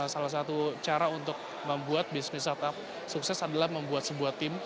salah satu cara untuk membuat bisnis startup sukses adalah membuat sebuah tim